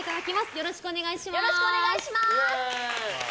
よろしくお願いします！